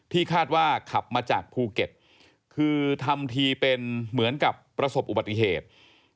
คาดว่าขับมาจากภูเก็ตคือทำทีเป็นเหมือนกับประสบอุบัติเหตุ